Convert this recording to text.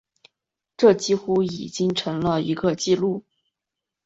这几乎已经成为了一个记录。